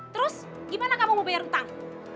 terus gimana kamu mau bayar utang